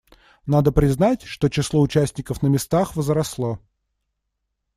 Надо признать, что число участников на местах возросло.